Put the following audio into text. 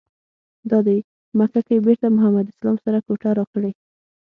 دادی مکه کې یې بېرته محمد اسلام سره کوټه راکړې.